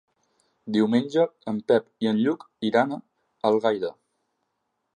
Diumenge en Pep i en Lluc iran a Algaida.